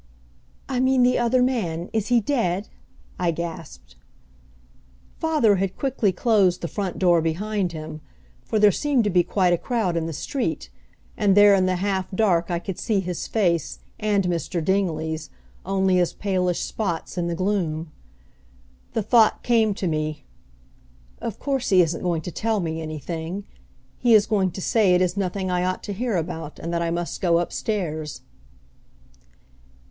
"I mean the other man is he dead?" I gasped. Father had quickly closed the front door behind him, for there seemed to be quite a crowd in the street, and there in the half dark I could see his face, and Mr. Dingley's, only as palish spots in the gloom. The thought came to me, "Of course he isn't going to tell me anything. He is going to say it is nothing I ought to hear about, and that I must go up stairs."